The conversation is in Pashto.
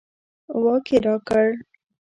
واک یې راکړ.